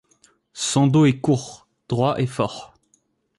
Son dos est court, droit est fort.